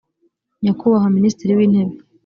nyakubahwa minisitiri w intebe